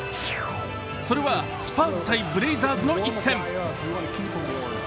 それはスパーズ×ブレイザーズの一戦。